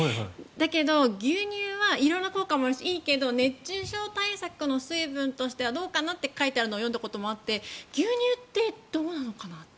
だけど牛乳は色んな効果もいいけど熱中症対策の水分としてはどうかな？と書いてあるのを読んだことがあって牛乳ってどうなのかなって。